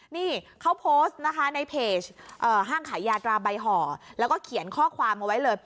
นี่เขาโพสต์นะคะในเพจห้างขายยาตราใบห่อแล้วก็เขียนข้อความเอาไว้เลย